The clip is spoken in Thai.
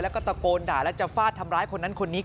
แล้วก็ตะโกนด่าแล้วจะฟาดทำร้ายคนนั้นคนนี้